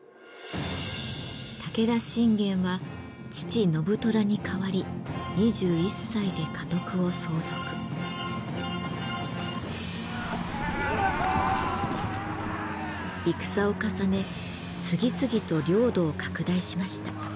武田信玄は父信虎に代わり戦を重ね次々と領土を拡大しました。